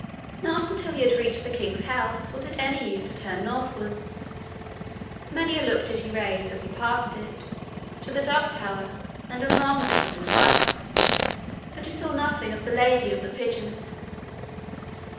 Not until he had reached the king's house was it any use to turn northwards. Many a look did he raise, as he passed it, to the dove tower, and as long as it was in sight, but he saw nothing of the lady of the pigeons.